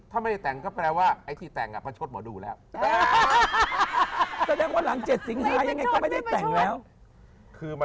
ถ้าไม่ได้แต่งก็แปลว่าไอ้ที่แต่งประชดหมอดูแล้ว